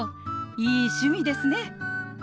いい趣味ですね。